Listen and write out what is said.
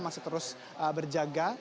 masih terus berjaga